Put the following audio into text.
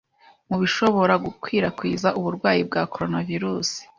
mu bishobora gukwirakwiza uburwayi bwa Koronavirusi